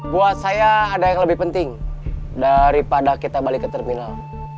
buat saya ada yang lebih penting daripada kita balik ke terminal